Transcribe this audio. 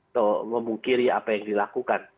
atau memungkiri apa yang dilakukan